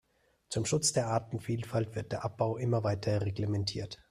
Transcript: Zum Schutz der Artenvielfalt wird der Abbau immer weiter reglementiert.